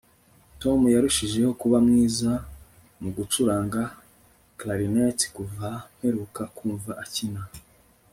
tom yarushijeho kuba mwiza mu gucuranga clarinet kuva mperuka kumva akina